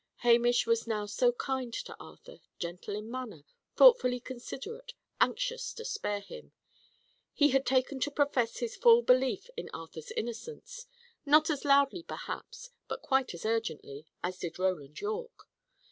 Hamish was now so kind to Arthur gentle in manner, thoughtfully considerate, anxious to spare him. He had taken to profess his full belief in Arthur's innocence; not as loudly perhaps, but quite as urgently, as did Roland Yorke.